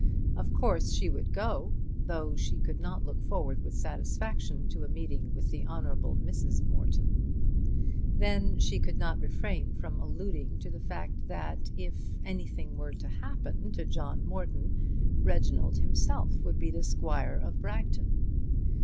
Of course she would go, though she could not look forward with satisfaction to a meeting with the Honble. Mrs. Morton. Then she could not refrain from alluding to the fact that if "anything were to happen" to John Morton, Reginald himself would be the Squire of Bragton.